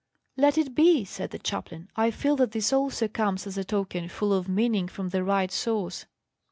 "Let it be," said the chaplain. "I feel that this also comes as a token full of meaning from the right source."